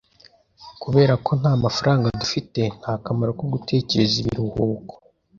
Kubera ko nta faranga dufite, nta kamaro ko gutekereza ibiruhuko.